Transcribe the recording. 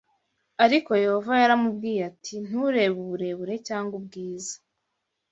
Ariko Yehova yaramubwiye ati nturebe uburebure cyangwa ubwiza